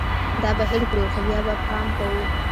دا به هېر کړو ، خو بیا به پام کوو